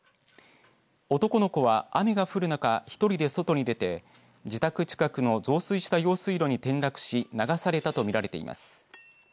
男の子は雨が降る中１人で外に出て自宅近くの増水した用水路に転落し流されたと見られています。